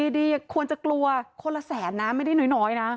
ดีควรจะกลัวคนละแสนนะไม่ได้น้อยนะ